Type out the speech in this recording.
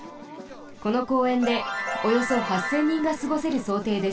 この公園でおよそ８，０００人がすごせるそうていです。